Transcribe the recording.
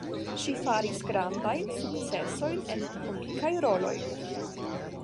Ŝi faris grandajn sukcesojn en komikaj roloj.